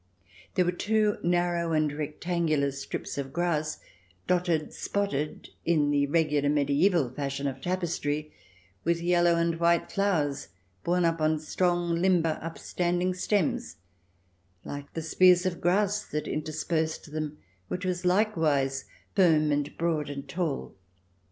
There were two narrow and rectangular strips of grass, dotted, spotted in the regular medieval fashion of tapestry, with yellow and white flowers borne up on strong, limber, upstanding stems, like the spears of grass that interspersed them, which was likewise firm and broad and tall.